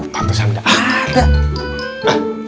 matesan gak ada